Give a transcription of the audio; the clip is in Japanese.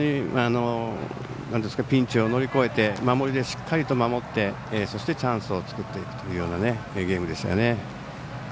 ピンチを乗り越えて守りでしっかり守ってそしてチャンスを作っていくというゲームでしたね。